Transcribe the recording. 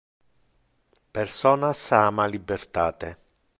Personas ama libertate.